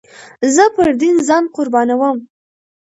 زه پر دين ځان قربانوم.